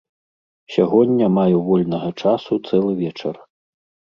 Сягоння маю вольнага часу цэлы вечар.